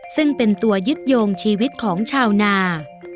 ซึ่งเป็นตัวยึดโยงชีวิตของชาวนา